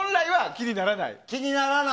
気にならない！